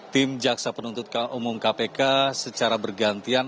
tim jaksa penuntut umum kpk secara bergantian